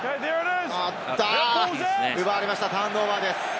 あっと、奪われました、ターンオーバーです。